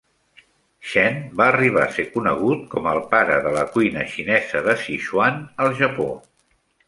Chen va arribar a ser conegut com el "pare de la cuina xinesa de Sichuan" al Japó.